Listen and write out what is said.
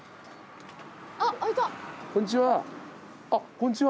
こんちは。